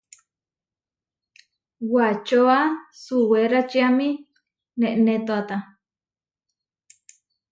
Wačóa suwéračiami neʼnétoata.